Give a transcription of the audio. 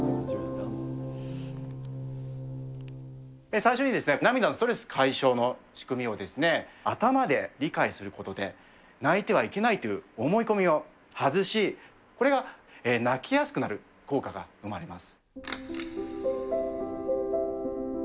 最初に、涙のストレス解消の仕組みをですね、頭で理解することで、泣いてはいけないという思い込みを外し、これが泣きやすくなる効果が生まれます。